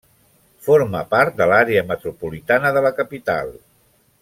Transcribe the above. Forma part de l'àrea metropolitana de la capital.